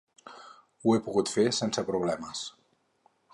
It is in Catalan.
Ho he pogut fer sense problemes!